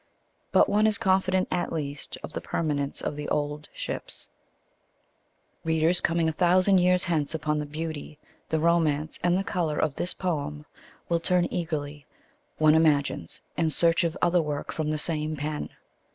But one is confident at least of the permanence of The Old Ships. Readers coming a thousand years hence upon the beauty, the romance and the colour of this poem will turn eagerly, one imagines, in search of other work from the same pen.